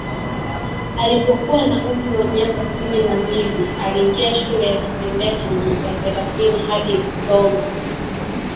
Alipokuwa na umri wa miaka kumi na mbili aliingia shule akitembea kilomita thelathini hadi Musoma